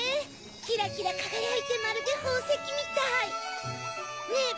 キラキラかがやいてまるでほうせきみたい！ねぇ